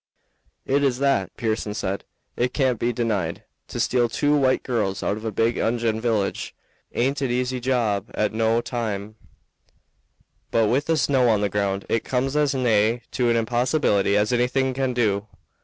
"It is that," Pearson said; "it can't be denied. To steal two white girls out of a big Injun village aint a easy job at no time; but with the snow on the ground it comes as nigh to an impossibility as anything can do."